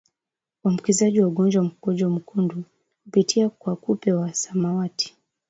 uambukizaji wa ugonjwa wa Mkojo Mwekundu kupitia kwa kupe wa samawati